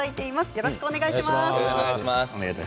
よろしくお願いします。